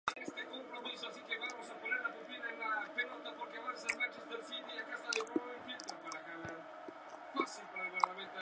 En febrero nace "¡Al ataque!